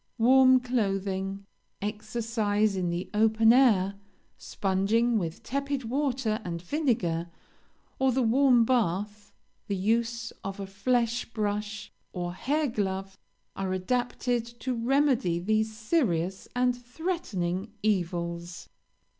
Warm clothing, exercise in the open air, sponging with tepid water and vinegar, or the warm bath, the use of a flesh brush or hair glove, are adapted to remedy these serious and threatening evils.